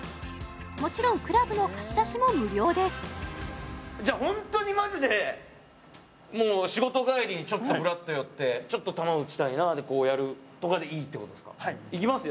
もちろんクラブの貸し出しも無料ですじゃあ本当にマジでもう仕事帰りにふらっと寄ってちょっと球打ちたいなでこうやるとかでいいってことですかいきますよ